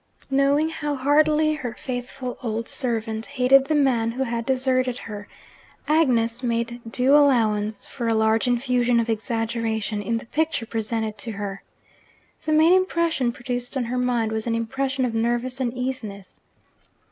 Knowing how heartily her faithful old servant hated the man who had deserted her, Agnes made due allowance for a large infusion of exaggeration in the picture presented to her. The main impression produced on her mind was an impression of nervous uneasiness.